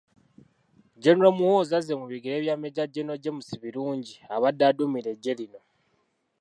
General Muhoozi azze mu bigere bya Meeja General James Birungi abadde aduumira eggye lino.